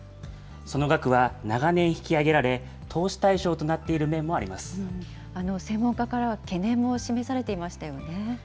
その額は長年引き上げられ、投資専門家からは懸念も示されていましたよね。